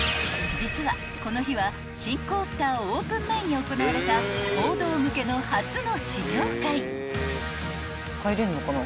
［実はこの日は新コースターオープン前に行われた報道向けの初の試乗会］